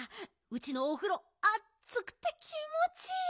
うちのおふろあつくて気もちいいよ。